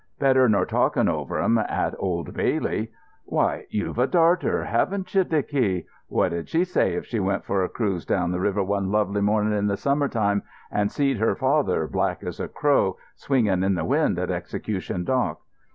Better nor talking over 'em at the Old Bailey. Why, you've a darter, haven't you, Dicky? What 'ud she say if she went for a cruise down the river one lovely morning in the summer time, and seed her father, black as a crow, swinging in the wind at Execution Dock?"